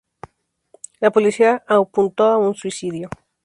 La policía apuntó a un suicidio.